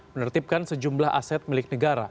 menertibkan sejumlah aset milik negara